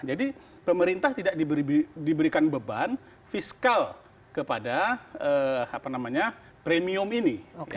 jadi pemerintah tidak diberikan beban fiskal kepada premium ini